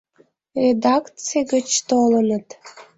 Редакций гыч толыныт.